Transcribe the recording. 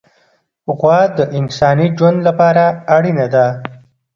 غوا د انساني ژوند لپاره اړینه ده.